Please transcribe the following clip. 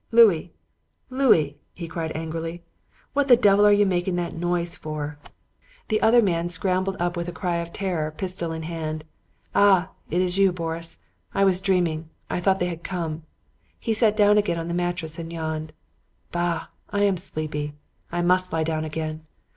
'Louis! Louis!' he cried angrily, 'what the devil are you making that noise for?' "The other man scrambled up with a cry of terror, pistol in hand. 'Ah! it is you, Boris! I was dreaming. I thought they had come.' He sat down again on the mattress and yawned. 'Bah! I am sleepy. I must lie down again.